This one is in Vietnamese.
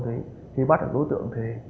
thì bắt được đối tượng